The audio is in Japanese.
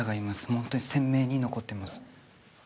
ホントに鮮明に残ってます